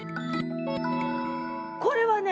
これはね